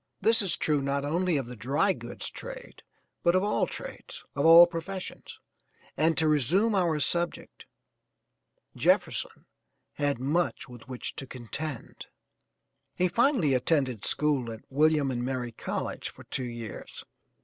This is true, not only of the dry goods trade but of all trades, of all professions, and to resume our subject Jefferson had much with which to contend. He finally attended school at William and Mary College for two years.